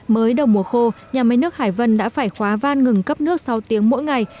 mới đầu mùa khô nhà máy nước hải vân đã phải khóa van ngừng cấp nước sáu tiếng mỗi ngày